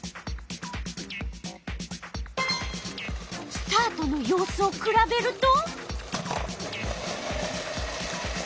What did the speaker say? スタートの様子をくらべると？